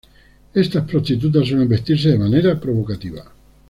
Estas prostitutas suelen vestirse de manera provocativa.